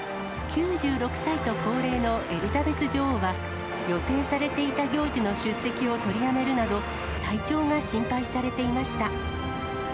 ９６歳と高齢のエリザベス女王は、予定されていた行事の出席を取りやめるなど、体調が心配されていました。